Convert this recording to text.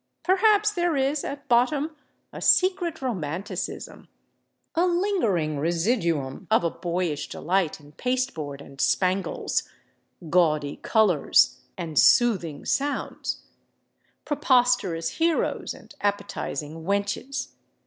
Perhaps there is, at bottom, a secret romanticism—a lingering residuum of a boyish delight in pasteboard and spangles, gaudy colors and soothing sounds, preposterous heroes and appetizing wenches.